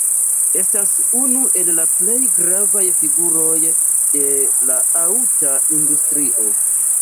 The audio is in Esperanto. Estas unu el la plej gravaj figuroj de la aŭta industrio.